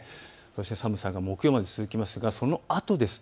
寒さが木曜まで続きますがそのあとです。